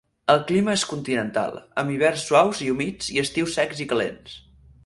El clima és continental, amb hiverns suaus i humits i estius secs i calents.